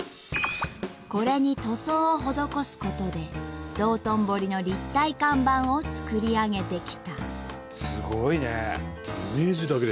これに塗装をほどこすことで道頓堀の立体看板を作り上げてきた。